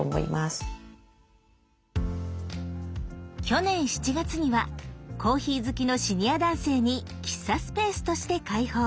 去年７月にはコーヒー好きのシニア男性に喫茶スペースとして開放。